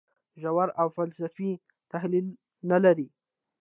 ژور او فلسفي تحلیل نه لري.